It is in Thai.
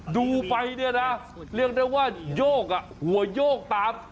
ดูไปเนี่ยนะเรียกได้ว่าโยกหัวโยกตาม